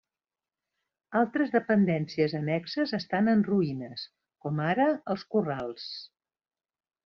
Altres dependències annexes estan en ruïnes, com ara, els corrals.